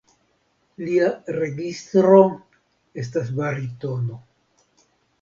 Lia registro estas baritono.